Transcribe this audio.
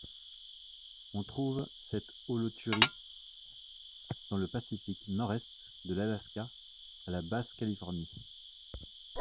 On trouve cette holothurie dans le Pacifique nord-est, de l'Alaska à la basse-Californie.